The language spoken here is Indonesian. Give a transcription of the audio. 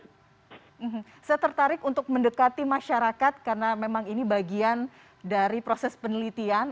saya tertarik untuk mendekati masyarakat karena memang ini bagian dari proses penelitian